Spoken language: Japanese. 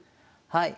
はい。